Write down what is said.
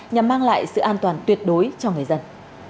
nhằm mang lại sự an toàn tuyệt đối cho người dân